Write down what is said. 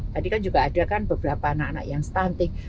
tadi kan juga ada kan beberapa anak anak yang stunting